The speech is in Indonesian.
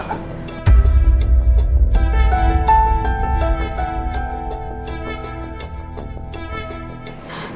kamu gak peduli